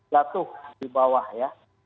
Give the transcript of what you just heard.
jatuh di bawah ya